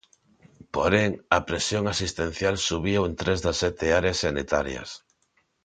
Porén, a presión asistencial subiu en tres das sete áreas sanitarias.